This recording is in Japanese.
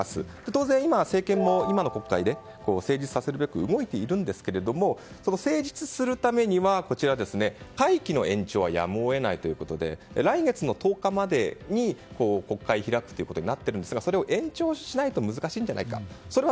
当然、政権も今の国会で成立させるべく動いているんですが成立させるためには会期の延長はやむを得ないということで来月の１０日までに国会を開くということになっていますがそれを延長しないと難しいんじゃないかと。